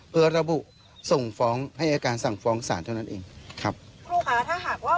เพื่อระบุส่งฟ้องให้อายการสั่งฟ้องศาลเท่านั้นเองครับครูค่ะถ้าหากว่า